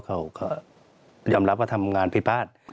เขาก็ยอมรับว่าทำงานผิดพลาด